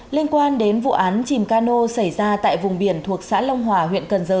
liên quan đến vụ án chìm cano xảy ra tại vùng biển thuộc xã long hòa huyện cần giờ